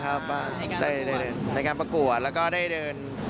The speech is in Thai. ในการประกวดในการประกวดแล้วก็ได้เดิน